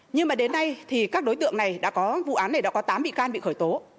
nhưng mà đến nay thì các đối tượng này đã có vụ án này đã có tám bị can bị khởi tố